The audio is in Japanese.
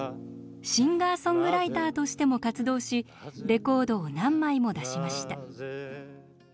シンガーソングライターとしても活動しレコードを何枚も出しました。